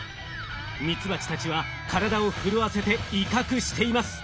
ミツバチたちは体を震わせて威嚇しています。